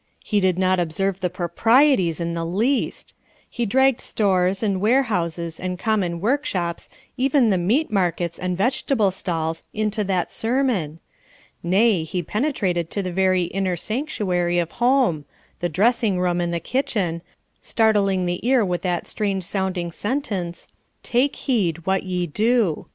He did not observe the proprieties in the least! He dragged stores, and warehouses, and common workshops, even the meat markets and vegetable stalls, into that sermon! Nay, he penetrated to the very inner sanctuary of home the dressing room and the kitchen startling the ear with that strange sounding sentence: "Take heed what ye do."